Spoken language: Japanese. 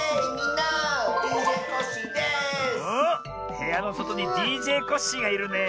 へやのそとにＤＪコッシーがいるねえ。